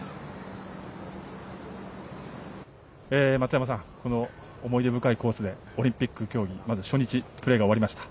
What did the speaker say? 松山さんこの思い出深いコースでオリンピック競技、まず初日のプレーが終わりました。